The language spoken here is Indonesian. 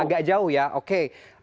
agak jauh ya oke